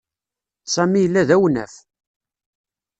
Sami yella d awnaf.